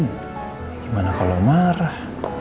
gimana kalau marah